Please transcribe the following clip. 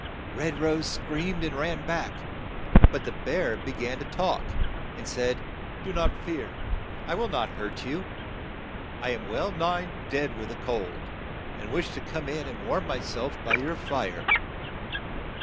Red Rose screamed and ran back, but the bear be gan to talk, and said, '' Do not fear ; I will not hurt you. I am well nigh dead with the cold, and wish to come in and warm my self by your fire."